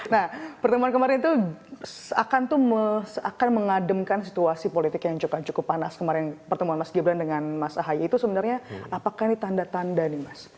nah pertemuan kemarin itu akan mengademkan situasi politik yang cukup panas kemarin pertemuan mas gibran dengan mas ahaye itu sebenarnya apakah ini tanda tanda nih mas